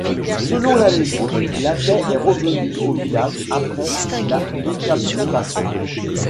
Selon la légende, la paix est revenue au village après la décapitation.